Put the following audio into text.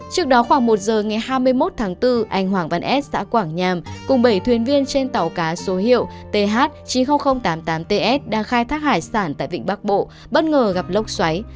trước đó khoảng một giờ ngày hai mươi một tháng bốn anh hoàng văn s xã quảng nham cùng bảy thuyền viên trên tàu cá số hiệu th chín mươi nghìn tám mươi tám ts đang khai thác hải sản tại vịnh bắc bộ bất ngờ gặp lốc xoáy